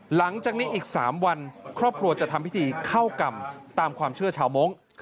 หลังจากนี้อีก๓วันครอบครัวจะทำพิธีเข้ากรรมตามความเชื่อชาวมงค์